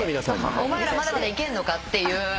お前らまだまだいけんのかっていう。